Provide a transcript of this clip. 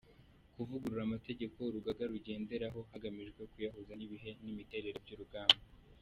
– Kuvugurura amategeko urugaga rugenderaho hagamijwe kuyahuza n’ibihe n’imiterere by’urugamba;